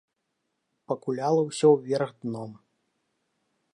Пакуляла ўсё ўверх дном.